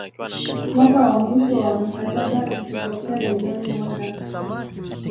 Mwaka wa mwisho wa mkataba ikipokea bilioni moja